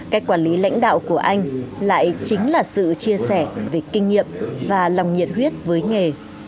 cách quản lý lãnh đạo của anh lại chính là sự chia sẻ về kinh nghiệm và lòng nhiệt huyết với nghề